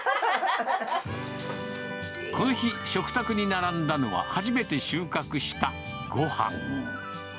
この日、食卓に並んだのは、初めて収穫したごはん。